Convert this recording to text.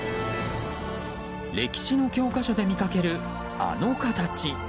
歴史の教科書で見かけるあの形。